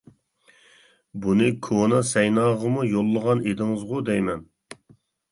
بۇنى كونا سەيناغىمۇ يوللىغان ئىدىڭىزغۇ دەيمەن.